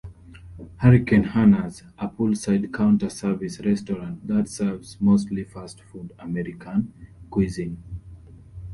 Hurricane Hanna's - A poolside counter-service restaurant that serves mostly fast-food American cuisine.